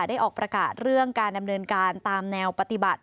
ได้ออกประกาศเรื่องการดำเนินการตามแนวปฏิบัติ